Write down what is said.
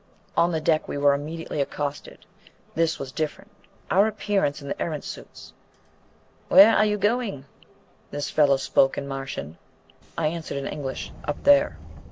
On the deck, we were immediately accosted. This was different our appearance in the Erentz suits! "Where are you going?" This fellow spoke in Martian. I answered in English, "Up there."